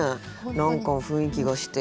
何か雰囲気がして。